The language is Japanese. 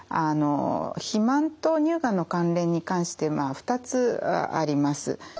肥満と乳がんの関連に関して２つあります。